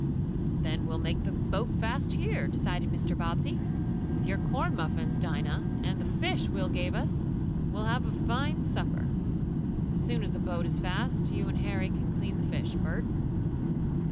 "Then we'll make the boat fast here," decided Mr. Bobbsey. "With your corn muffins, Dinah, and the fish Will gave us, we'll have a fine supper. As soon as the boat is fast you and Harry can clean the fish, Bert."